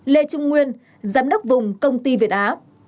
lê trung nguyên giám đốc vùng công ty việt á